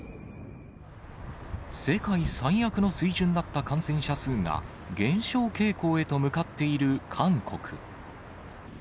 世界最悪の水準だった感染者数が減少傾向へと向かっている韓国。